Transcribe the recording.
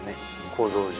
構造上。